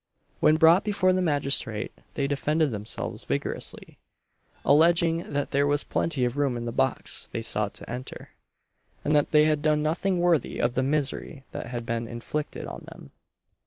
When brought before the magistrate, they defended themselves vigorously alleging that there was plenty of room in the box they sought to enter, and that they had done nothing worthy of the misery that had been inflicted on them.